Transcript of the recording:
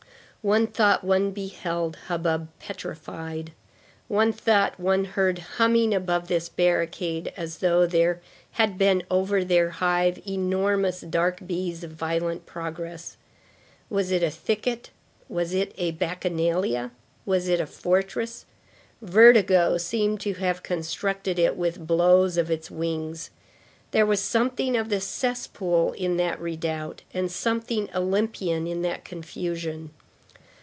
One thought one beheld hubbub petrified. One thought one heard humming above this barricade as though there had been over their hive, enormous, dark bees of violent progress. Was it a thicket? Was it a bacchanalia? Was it a fortress? Vertigo seemed to have constructed it with blows of its wings. There was something of the cesspool in that redoubt and something Olympian in that confusion.